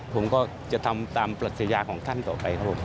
ผมก็จะทำตามปรัชญาของท่านต่อไปครับผม